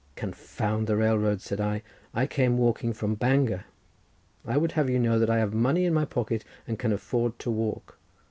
"Confound the railroad!" said I: "I came walking from Bangor. I would have you know that I have money in my pocket, and can afford to walk.